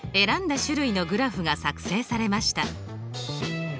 選んだ種類のグラフが作成されました。